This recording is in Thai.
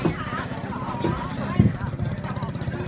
นู้ใส่พิมพ์สีขาว